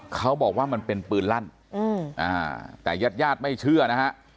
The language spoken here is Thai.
เขาบอกว่ามันเป็นปืนลั่นแต่ญาติญาติไม่เชื่อนะฮะ